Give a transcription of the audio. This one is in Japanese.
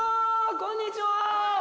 こんにちは！